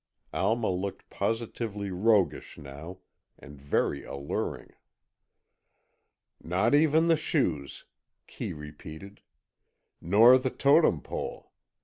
Alma looked positively roguish now, and very alluring. "Not even the shoes," Kee repeated. "Nor the Totem Pole.